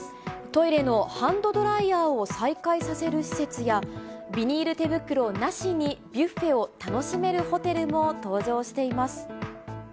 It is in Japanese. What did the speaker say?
トイレのハンドドライヤーを再開させる施設や、ビニール手袋なしにビュッフェを楽しめるホテ